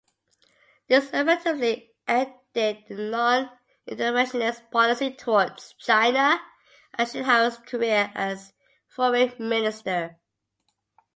This effectively ended the non-interventionist policy towards China, and Shidehara's career as foreign minister.